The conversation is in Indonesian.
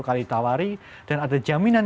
kali tawari dan ada jaminan